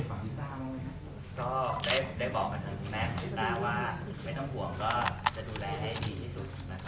ก็ได้บอกอันดับแม่ของตาว่าไม่ต้องห่วงก็จะดูแลให้ดีที่สุดนะคะ